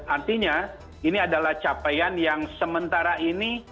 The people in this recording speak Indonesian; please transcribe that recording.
artinya ini adalah capaian yang sementara ini